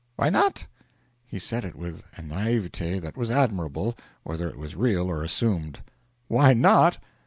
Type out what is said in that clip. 'Why not?' He said it with a naivete that was admirable, whether it was real or assumed. 'Why not?